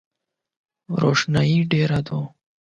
روښنایي ډېره ده .